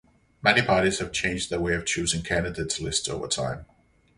Many parties have changed their way of choosing candidate lists over time.